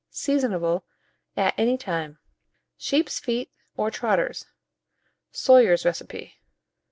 Seasonable at any time. SHEEP'S FEET or TROTTERS (Soyer's Recipe).